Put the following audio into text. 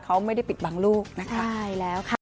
เขาไม่ได้ปิดบังลูกนะคะใช่แล้วค่ะ